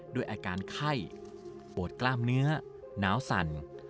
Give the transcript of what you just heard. ด้วยอาการไข้ปวดกล้ามเนื้อหนาวสั่น